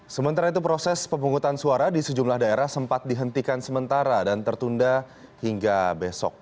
sementara itu proses pemungutan suara di sejumlah daerah sempat dihentikan sementara dan tertunda hingga besok